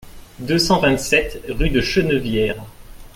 deux cent vingt-sept rue de Chenevière